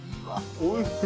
おいしい。